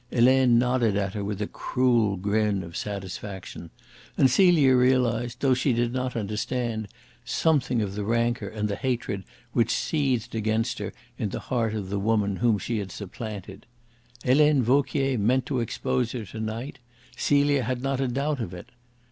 Helene nodded at her with a cruel grin of satisfaction, and Celia realised, though she did not understand, something of the rancour and the hatred which seethed against her in the heart of the woman whom she had supplanted. Helene Vauquier meant to expose her to night; Celia had not a doubt of it.